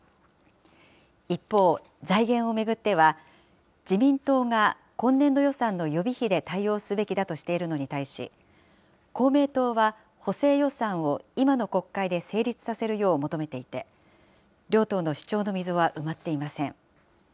一方、財源を巡っては、自民党が今年度予算の予備費で対応すべきだとしているのに対し、公明党は補正予算を今の国会で成立させるよう求めていて、両党の主張の溝は埋まっていません。